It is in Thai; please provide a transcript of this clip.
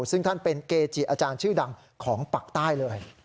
ซึ่งท่านเป็นเกจิอาจารย์ชื่อดังของปักใต้เลย